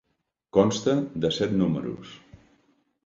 Consta de set números.